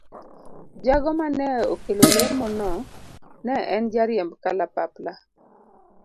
Jago mane okelo lemo no ne en jariemb kalapapla.